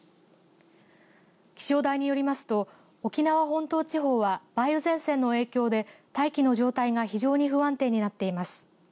気象台によりますと沖縄本島地方は梅雨前線の影響で大気の状態が非常に不安定になっています。